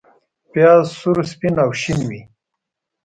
پیاز سور، سپین او شین وي